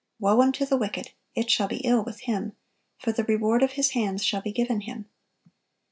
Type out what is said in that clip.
"Woe unto the wicked! it shall be ill with him: for the reward of his hands shall be given him."